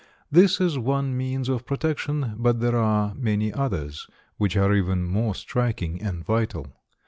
This is one means of protection, but there are many others which are even more striking and vital.